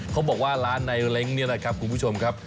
เขาบอกว่าร้านในเล้งเนี่ยนะครับคุณผู้ชมครับ